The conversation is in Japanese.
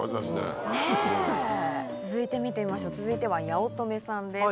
続いて見てみましょう続いては八乙女さんです。